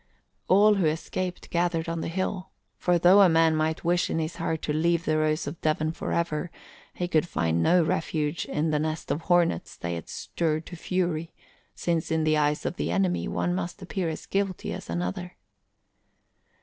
All who escaped gathered on the hill, for though a man might wish in his heart to leave the Rose of Devon for ever, he could find no refuge in the nest of hornets they had stirred to fury, since in the eyes of the enemy one must appear as guilty as another.